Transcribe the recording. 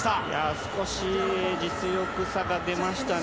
少し実力差が出ましたね。